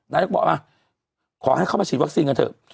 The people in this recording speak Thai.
นายกบอกขอให้เข้ามาฉีดวัคซีนกันเถอะ